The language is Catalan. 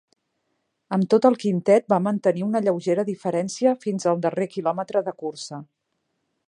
Amb tot el quintet va mantenir una lleugera diferència fins al darrer quilòmetre de cursa.